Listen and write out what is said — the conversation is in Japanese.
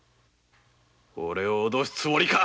オレを脅すつもりか！